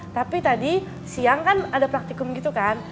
tapi tadi siang kan ada praktikum gitu kan